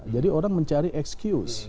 jadi orang mencari excuse